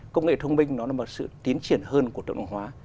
công nghệ thông minh nó là một sự tiến triển hơn của tự động hóa